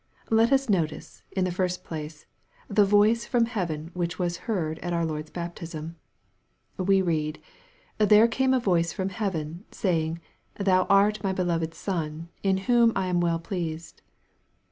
Let us notice, in the first place, the voice from heaven which was heard at our Lord's baptism. We read, " There came a voice from heaven, saying, Thou art my he loved Son, in whom I am well pleased."